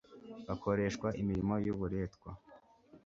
bakoreshwa imirimo y'uburetwa